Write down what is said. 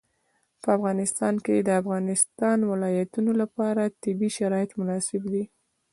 په افغانستان کې د د افغانستان ولايتونه لپاره طبیعي شرایط مناسب دي.